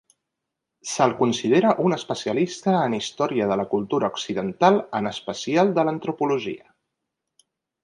Se'l considera un especialista en història de la cultura occidental en especial de l'antropologia.